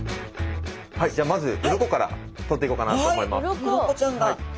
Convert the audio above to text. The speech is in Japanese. はいじゃあまず鱗から取っていこうかなと思います。